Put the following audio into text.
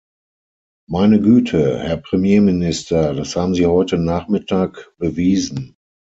Meine Güte, Herr Premierminister, das haben Sie heute Nachmittag bewiesen.